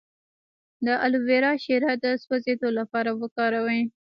د الوویرا شیره د سوځیدو لپاره وکاروئ